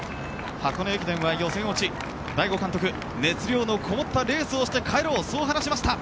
箱根駅伝は予選落ち大後監督は熱量のこもったレースをして帰ろうそう話しました。